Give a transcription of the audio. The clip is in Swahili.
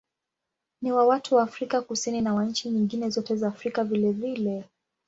Ni wa watu wa Afrika Kusini na wa nchi nyingine zote za Afrika vilevile.